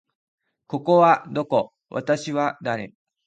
ここはどこ？私は誰？